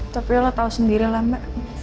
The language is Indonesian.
tapi lo tahu sendiri lama